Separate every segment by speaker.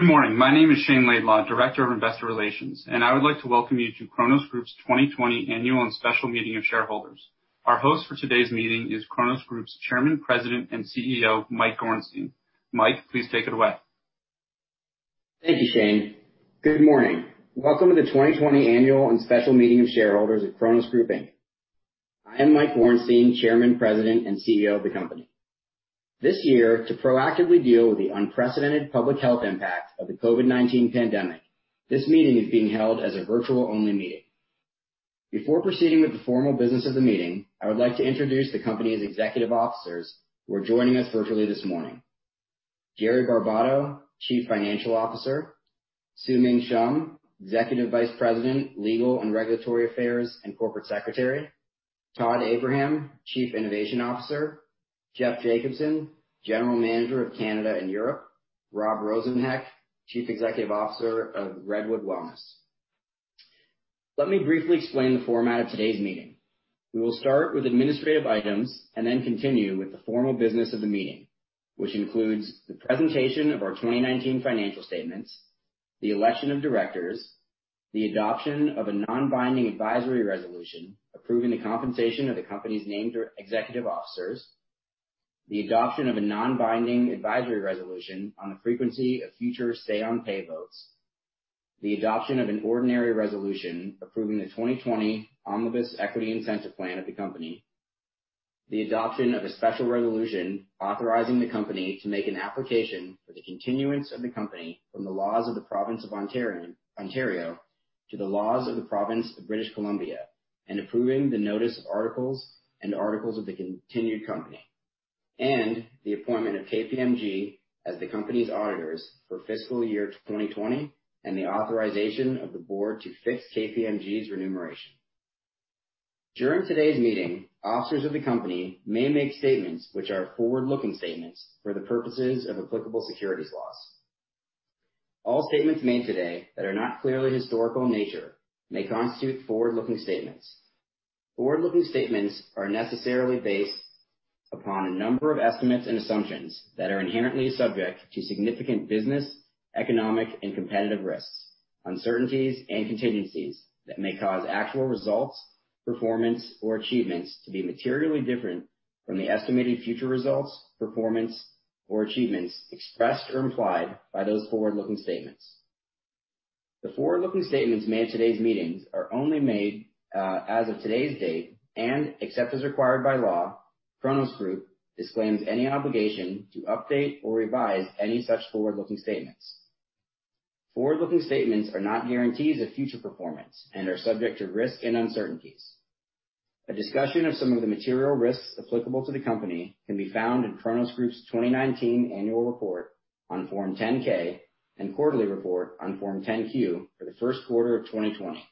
Speaker 1: Good morning. My name is Shayne Laidlaw, Director of Investor Relations, I would like to welcome you to Cronos Group's 2020 annual and special meeting of shareholders. Our host for today's meeting is Cronos Group's Chairman, President, and CEO, Mike Gorenstein. Mike, please take it away.
Speaker 2: Thank you, Shayne. Good morning. Welcome to the 2020 annual and special meeting of shareholders at Cronos Group Inc. I am Mike Gorenstein, Chairman, President, and CEO of the company. This year, to proactively deal with the unprecedented public health impact of the COVID-19 pandemic, this meeting is being held as a virtual-only meeting. Before proceeding with the formal business of the meeting, I would like to introduce the company's executive officers who are joining us virtually this morning. Jerry Barbato, Chief Financial Officer. Xiuming Shum, Executive Vice President, Legal and Regulatory Affairs, and Corporate Secretary. Todd Abraham, Chief Innovation Officer. Jeff Jacobson, General Manager of Canada and Europe. Rob Rosenheck, Chief Executive Officer of Redwood Wellness. Let me briefly explain the format of today's meeting. We will start with administrative items and then continue with the formal business of the meeting, which includes the presentation of our 2019 financial statements, the election of directors, the adoption of a non-binding advisory resolution approving the compensation of the company's named executive officers, the adoption of a non-binding advisory resolution on the frequency of future say-on-pay votes, the adoption of an ordinary resolution approving the 2020 Omnibus Equity Incentive Plan of the company, the adoption of a special resolution authorizing the company to make an application for the continuance of the company from the laws of the province of Ontario to the laws of the province of British Columbia, and approving the notice of articles and articles of the continued company. The appointment of KPMG as the company's auditors for fiscal year 2020 and the authorization of the board to fix KPMG's remuneration. During today's meeting, officers of the company may make statements which are forward-looking statements for the purposes of applicable securities laws. All statements made today that are not clearly historical in nature may constitute forward-looking statements. Forward-looking statements are necessarily based upon a number of estimates and assumptions that are inherently subject to significant business, economic, and competitive risks, uncertainties, and contingencies that may cause actual results, performance, or achievements to be materially different from the estimated future results, performance, or achievements expressed or implied by those forward-looking statements. The forward-looking statements made at today's meetings are only made as of today's date, and except as required by law, Cronos Group disclaims any obligation to update or revise any such forward-looking statements. Forward-looking statements are not guarantees of future performance and are subject to risk and uncertainties. A discussion of some of the material risks applicable to the company can be found in Cronos Group's 2019 annual report on Form 10-K and quarterly report on Form 10-Q for the first quarter of 2020,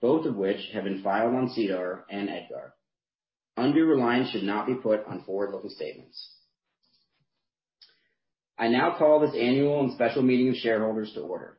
Speaker 2: both of which have been filed on SEDAR and EDGAR. Undue reliance should not be put on forward-looking statements. I now call this annual and special meeting of shareholders to order.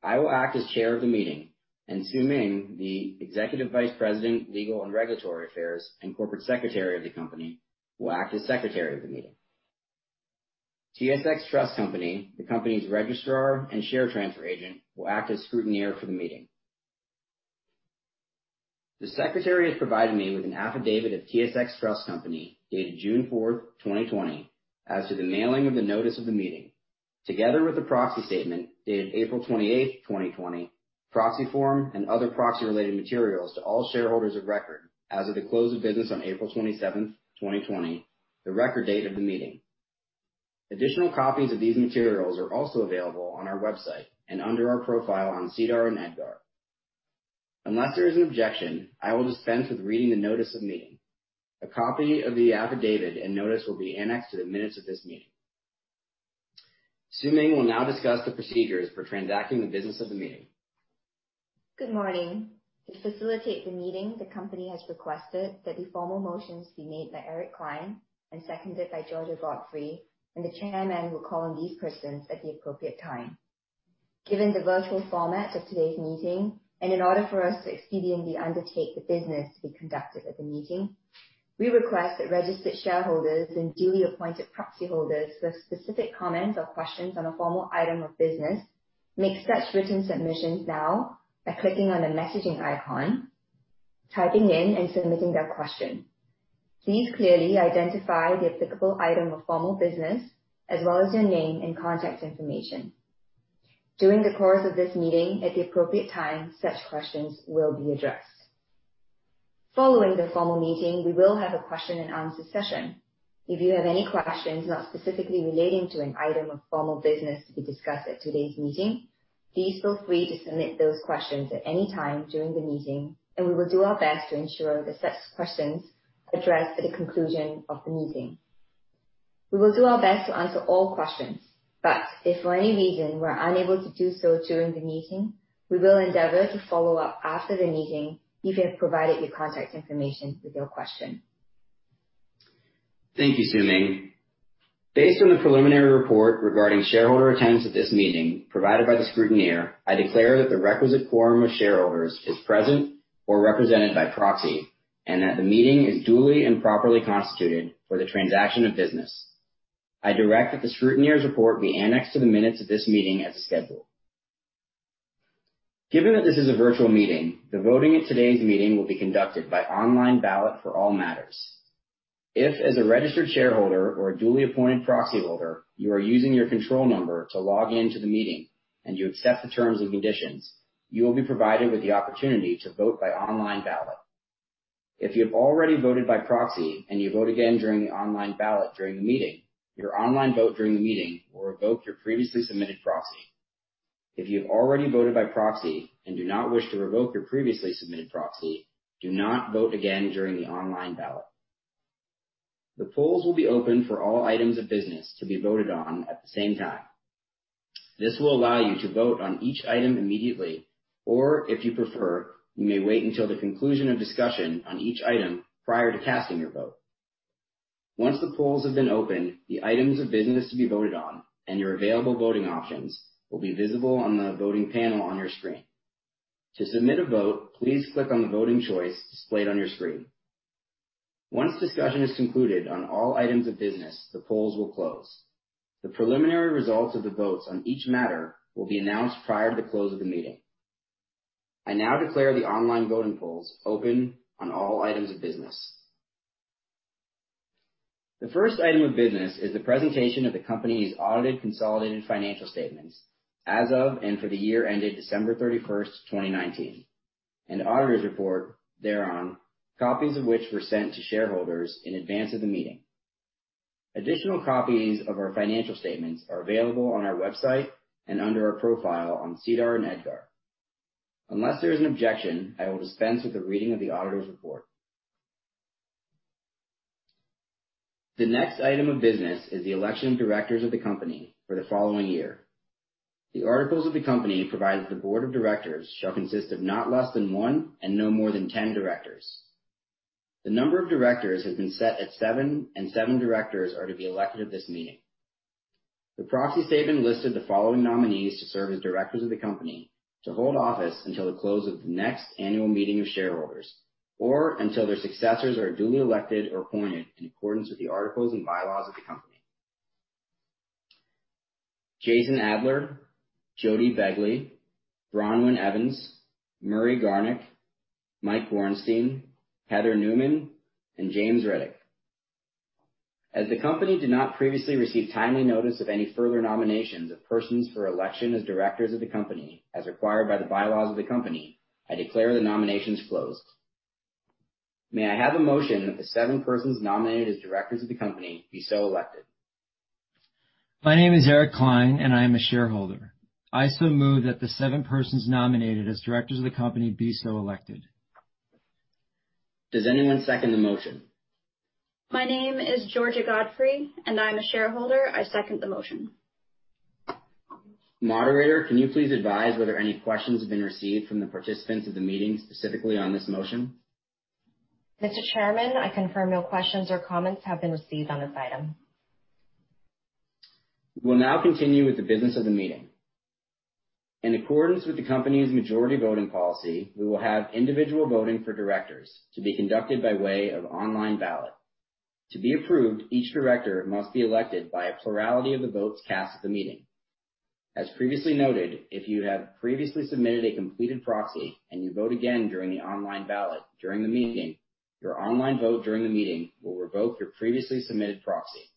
Speaker 2: I will act as chair of the meeting, Xiuming, the Executive Vice President, Legal and Regulatory Affairs, and Corporate Secretary of the company, will act as Secretary of the meeting. TSX Trust Company, the company's registrar and share transfer agent, will act as scrutineer for the meeting. The Secretary has provided me with an affidavit of TSX Trust Company, dated June 4th, 2020, as to the mailing of the notice of the meeting, together with the proxy statement, dated April 28th, 2020, proxy form, and other proxy-related materials to all shareholders of record as of the close of business on April 27th, 2020, the record date of the meeting. Additional copies of these materials are also available on our website and under our profile on SEDAR and EDGAR. Unless there is an objection, I will dispense with reading the notice of meeting. A copy of the affidavit and notice will be annexed to the minutes of this meeting. Xiuming will now discuss the procedures for transacting the business of the meeting.
Speaker 3: Good morning. To facilitate the meeting, the company has requested that the formal motions be made by Eric Klein and seconded by Georgia Godfrey, and the chairman will call on these persons at the appropriate time. Given the virtual format of today's meeting, and in order for us to expediently undertake the business to be conducted at the meeting, we request that registered shareholders and duly appointed proxy holders with specific comments or questions on a formal item of business make such written submissions now by clicking on the messaging icon, typing in, and submitting their question. Please clearly identify the applicable item of formal business as well as your name and contact information. During the course of this meeting, at the appropriate time, such questions will be addressed. Following the formal meeting, we will have a question and answer session. If you have any questions not specifically relating to an item of formal business to be discussed at today's meeting, please feel free to submit those questions at any time during the meeting, and we will do our best to ensure that such questions are addressed at the conclusion of the meeting. We will do our best to answer all questions, but if for any reason we're unable to do so during the meeting, we will endeavor to follow up after the meeting if you have provided your contact information with your question.
Speaker 2: Thank you, Xiuming. Based on the preliminary report regarding shareholder attendance at this meeting provided by the scrutineer, I declare that the requisite quorum of shareholders is present or represented by proxy, and that the meeting is duly and properly constituted for the transaction of business. I direct that the scrutineer's report be annexed to the minutes of this meeting as scheduled. Given that this is a virtual meeting, the voting at today's meeting will be conducted by online ballot for all matters. If, as a registered shareholder or a duly appointed proxy holder, you are using your control number to log into the meeting and you accept the terms and conditions, you will be provided with the opportunity to vote by online ballot. If you have already voted by proxy and you vote again during the online ballot during the meeting, your online vote during the meeting will revoke your previously submitted proxy. If you have already voted by proxy and do not wish to revoke your previously submitted proxy, do not vote again during the online ballot. The polls will be open for all items of business to be voted on at the same time. This will allow you to vote on each item immediately, or if you prefer, you may wait until the conclusion of discussion on each item prior to casting your vote. Once the polls have been opened, the items of business to be voted on and your available voting options will be visible on the voting panel on your screen. To submit a vote, please click on the voting choice displayed on your screen. Once discussion is concluded on all items of business, the polls will close. The preliminary results of the votes on each matter will be announced prior to the close of the meeting. I now declare the online voting polls open on all items of business. The first item of business is the presentation of the company's audited consolidated financial statements as of and for the year ended December 31st, 2019, and the auditor's report thereon, copies of which were sent to shareholders in advance of the meeting. Additional copies of our financial statements are available on our website and under our profile on SEDAR and EDGAR. Unless there is an objection, I will dispense with the reading of the auditor's report. The next item of business is the election of directors of the company for the following year. The articles of the company provide that the board of directors shall consist of not less than one and no more than 10 directors. The number of directors has been set at seven, and seven directors are to be elected at this meeting. The proxy statement listed the following nominees to serve as directors of the company to hold office until the close of the next annual meeting of shareholders, or until their successors are duly elected or appointed in accordance with the articles and bylaws of the company. Jason Adler, Jody Begley, Bronwen Evans, Murray Garnick, Mike Gorenstein, Heather Newman, and James Rudyk. As the company did not previously receive timely notice of any further nominations of persons for election as directors of the company as required by the bylaws of the company, I declare the nominations closed. May I have a motion that the seven persons nominated as directors of the company be so elected?
Speaker 4: My name is Eric Klein, and I am a shareholder. I so move that the seven persons nominated as directors of the company be so elected.
Speaker 2: Does anyone second the motion?
Speaker 5: My name is Georgia Godfrey, and I'm a shareholder. I second the motion.
Speaker 2: Moderator, can you please advise whether any questions have been received from the participants of the meeting, specifically on this motion?
Speaker 3: Mr. Chairman, I confirm no questions or comments have been received on this item.
Speaker 2: We will now continue with the business of the meeting. In accordance with the company's majority voting policy, we will have individual voting for directors to be conducted by way of online ballot. To be approved, each director must be elected by a plurality of the votes cast at the meeting. As previously noted, if you have previously submitted a completed proxy and you vote again during the online ballot during the meeting, your online vote during the meeting will revoke your previously submitted proxy.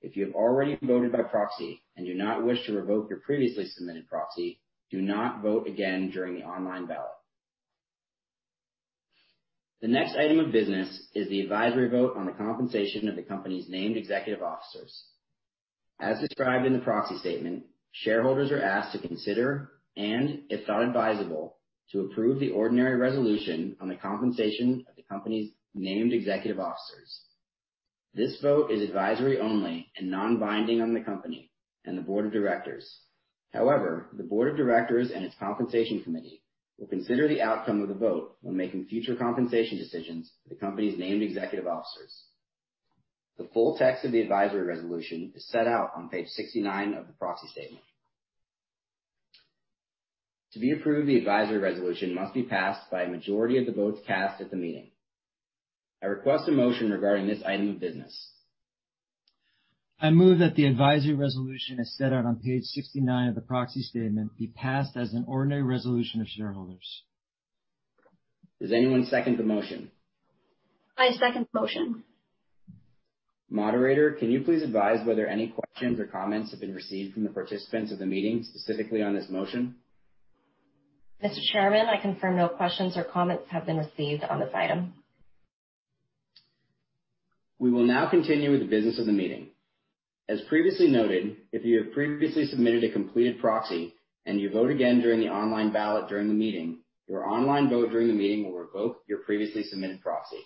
Speaker 2: If you have already voted by proxy and do not wish to revoke your previously submitted proxy, do not vote again during the online ballot. The next item of business is the advisory vote on the compensation of the company's named executive officers. As described in the proxy statement, shareholders are asked to consider and, if thought advisable, to approve the ordinary resolution on the compensation of the company's named executive officers. This vote is advisory only and non-binding on the company and the board of directors. However, the board of directors and its compensation committee will consider the outcome of the vote when making future compensation decisions for the company's named executive officers. The full text of the advisory resolution is set out on page 69 of the proxy statement. To be approved, the advisory resolution must be passed by a majority of the votes cast at the meeting. I request a motion regarding this item of business.
Speaker 4: I move that the advisory resolution, as set out on page 69 of the proxy statement, be passed as an ordinary resolution of shareholders.
Speaker 2: Does anyone second the motion?
Speaker 5: I second the motion.
Speaker 2: Moderator, can you please advise whether any questions or comments have been received from the participants of the meeting, specifically on this motion?
Speaker 3: Mr. Chairman, I confirm no questions or comments have been received on this item.
Speaker 2: We will now continue with the business of the meeting. As previously noted, if you have previously submitted a completed proxy and you vote again during the online ballot during the meeting, your online vote during the meeting will revoke your previously submitted proxy.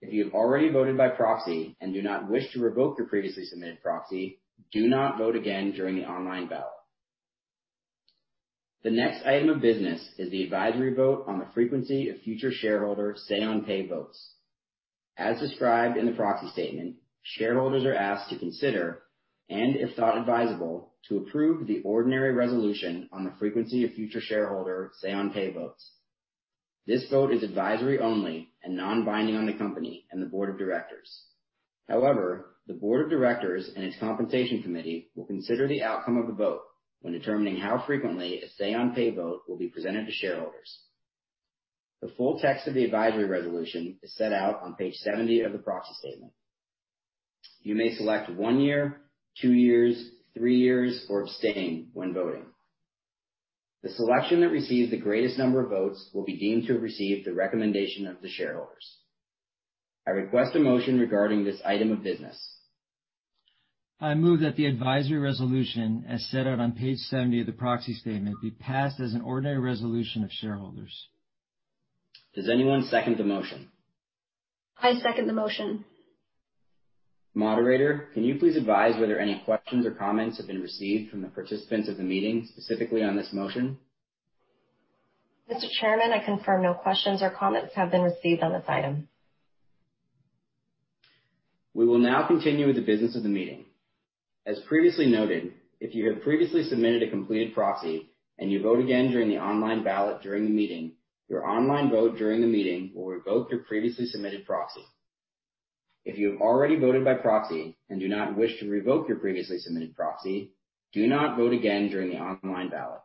Speaker 2: If you have already voted by proxy and do not wish to revoke your previously submitted proxy, do not vote again during the online ballot. The next item of business is the advisory vote on the frequency of future shareholder say on pay votes. As described in the proxy statement, shareholders are asked to consider, and if thought advisable, to approve the ordinary resolution on the frequency of future shareholder say on pay votes. This vote is advisory only and non-binding on the company and the board of directors. However, the board of directors and its compensation committee will consider the outcome of the vote when determining how frequently a say on pay vote will be presented to shareholders. The full text of the advisory resolution is set out on page 70 of the proxy statement. You may select one year, two years, three years, or abstain when voting. The selection that receives the greatest number of votes will be deemed to have received the recommendation of the shareholders. I request a motion regarding this item of business.
Speaker 4: I move that the advisory resolution, as set out on page 70 of the proxy statement, be passed as an ordinary resolution of shareholders.
Speaker 2: Does anyone second the motion?
Speaker 5: I second the motion.
Speaker 2: Moderator, can you please advise whether any questions or comments have been received from the participants of the meeting, specifically on this motion?
Speaker 3: Mr. Chairman, I confirm no questions or comments have been received on this item.
Speaker 2: We will now continue with the business of the meeting. As previously noted, if you have previously submitted a completed proxy and you vote again during the online ballot during the meeting, your online vote during the meeting will revoke your previously submitted proxy. If you have already voted by proxy and do not wish to revoke your previously submitted proxy, do not vote again during the online ballot.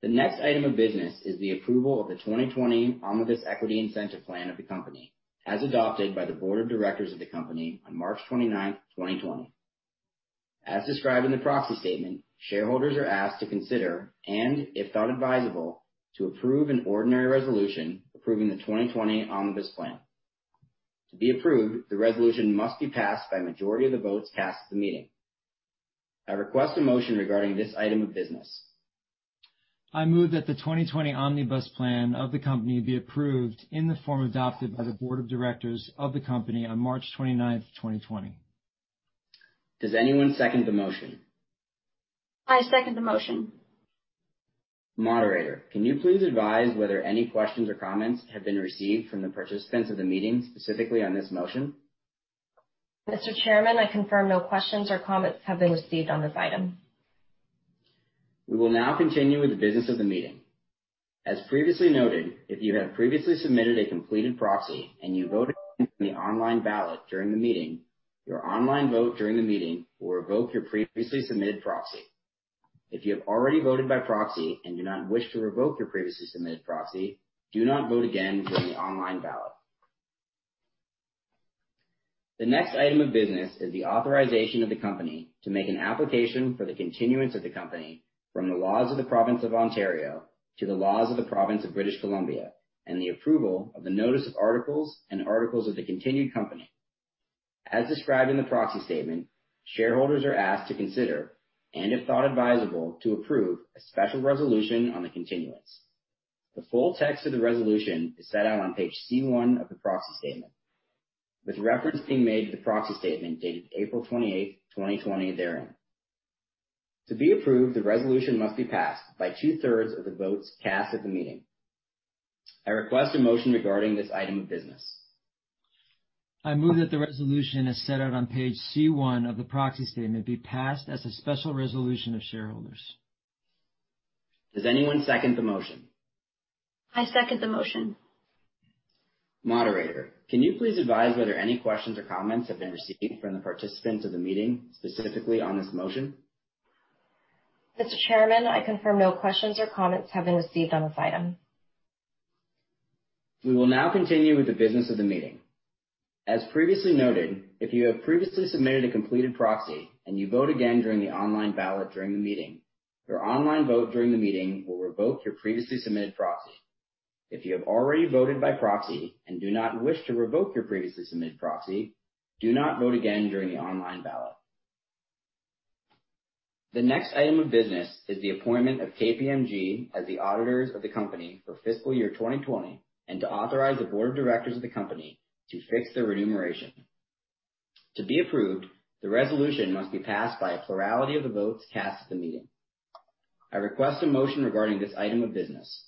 Speaker 2: The next item of business is the approval of the 2020 Omnibus Equity Incentive Plan of the company, as adopted by the board of directors of the company on March 29th, 2020. As described in the proxy statement, shareholders are asked to consider, and if thought advisable, to approve an ordinary resolution approving the 2020 Omnibus Plan. To be approved, the resolution must be passed by a majority of the votes cast at the meeting. I request a motion regarding this item of business.
Speaker 4: I move that the 2020 Omnibus Plan of the company be approved in the form adopted by the board of directors of the company on March 29th, 2020.
Speaker 2: Does anyone second the motion?
Speaker 5: I second the motion.
Speaker 2: Moderator, can you please advise whether any questions or comments have been received from the participants of the meeting, specifically on this motion?
Speaker 3: Mr. Chairman, I confirm no questions or comments have been received on this item.
Speaker 2: We will now continue with the business of the meeting. As previously noted, if you have previously submitted a completed proxy and you vote again in the online ballot during the meeting, your online vote during the meeting will revoke your previously submitted proxy. If you have already voted by proxy and do not wish to revoke your previously submitted proxy, do not vote again during the online ballot. The next item of business is the authorization of the company to make an application for the continuance of the company from the laws of the province of Ontario to the laws of the province of British Columbia, and the approval of the notice of articles and articles of the continued company. As described in the proxy statement, shareholders are asked to consider, and if thought advisable, to approve a special resolution on the continuance. The full text of the resolution is set out on page C1 of the proxy statement, with reference being made to the proxy statement dated April twenty-eighth, 2020 therein. To be approved, the resolution must be passed by two-thirds of the votes cast at the meeting. I request a motion regarding this item of business.
Speaker 4: I move that the resolution as set out on page C1 of the proxy statement be passed as a special resolution of shareholders.
Speaker 2: Does anyone second the motion?
Speaker 5: I second the motion.
Speaker 2: Moderator, can you please advise whether any questions or comments have been received from the participants of the meeting, specifically on this motion?
Speaker 3: Mr. Chairman, I confirm no questions or comments have been received on this item.
Speaker 2: We will now continue with the business of the meeting. As previously noted, if you have previously submitted a completed proxy and you vote again during the online ballot during the meeting, your online vote during the meeting will revoke your previously submitted proxy. If you have already voted by proxy and do not wish to revoke your previously submitted proxy, do not vote again during the online ballot. The next item of business is the appointment of KPMG as the auditors of the company for fiscal year 2020, and to authorize the board of directors of the company to fix their remuneration. To be approved, the resolution must be passed by a plurality of the votes cast at the meeting. I request a motion regarding this item of business.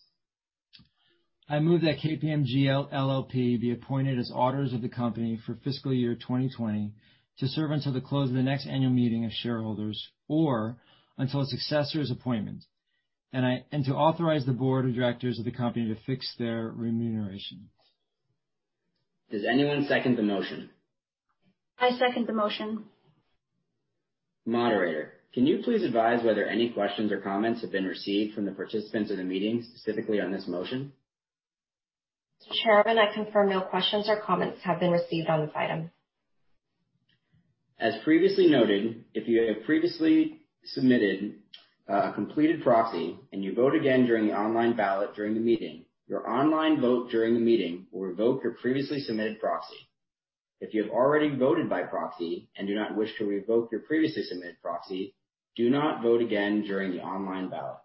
Speaker 4: I move that KPMG LLP be appointed as auditors of the company for fiscal year 2020 to serve until the close of the next annual meeting of shareholders, or until a successor's appointment, and to authorize the board of directors of the company to fix their remuneration.
Speaker 2: Does anyone second the motion?
Speaker 5: I second the motion.
Speaker 2: Moderator, can you please advise whether any questions or comments have been received from the participants in the meeting, specifically on this motion?
Speaker 3: Mr. Chairman, I confirm no questions or comments have been received on this item.
Speaker 2: As previously noted, if you have previously submitted a completed proxy and you vote again during the online ballot during the meeting, your online vote during the meeting will revoke your previously submitted proxy. If you have already voted by proxy and do not wish to revoke your previously submitted proxy, do not vote again during the online ballot.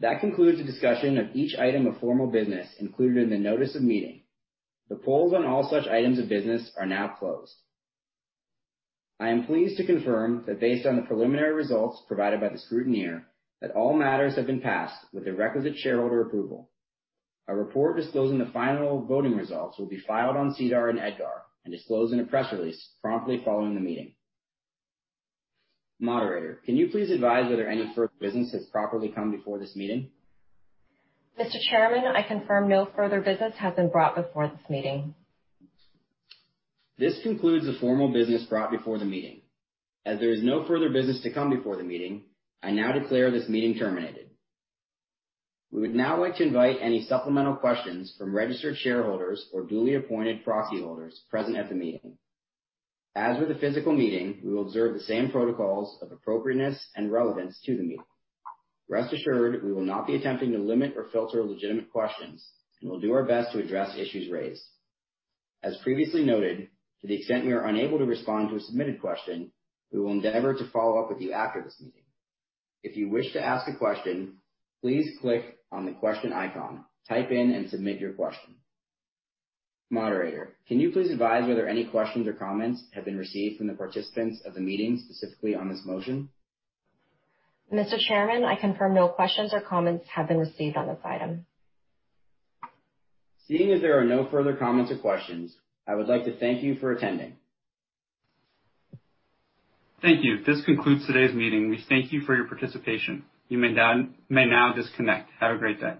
Speaker 2: That concludes the discussion of each item of formal business included in the notice of meeting. The polls on all such items of business are now closed. I am pleased to confirm that based on the preliminary results provided by the scrutineer, that all matters have been passed with the requisite shareholder approval. A report disclosing the final voting results will be filed on SEDAR and EDGAR and disclosed in a press release promptly following the meeting. Moderator, can you please advise whether any further business has properly come before this meeting?
Speaker 3: Mr. Chairman, I confirm no further business has been brought before this meeting.
Speaker 2: This concludes the formal business brought before the meeting. As there is no further business to come before the meeting, I now declare this meeting terminated. We would now like to invite any supplemental questions from registered shareholders or duly appointed proxy holders present at the meeting. As with the physical meeting, we will observe the same protocols of appropriateness and relevance to the meeting. Rest assured, we will not be attempting to limit or filter legitimate questions, and we'll do our best to address issues raised. As previously noted, to the extent we are unable to respond to a submitted question, we will endeavor to follow up with you after this meeting. If you wish to ask a question, please click on the question icon, type in and submit your question. Moderator, can you please advise whether any questions or comments have been received from the participants of the meeting, specifically on this motion?
Speaker 3: Mr. Chairman, I confirm no questions or comments have been received on this item.
Speaker 2: Seeing as there are no further comments or questions, I would like to thank you for attending.
Speaker 1: Thank you. This concludes today's meeting. We thank you for your participation. You may now disconnect. Have a great day.